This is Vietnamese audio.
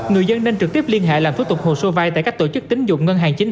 người dân nên trực tiếp liên hệ làm thủ tục hồ sơ vay tại các tổ chức tính dụng ngân hàng chính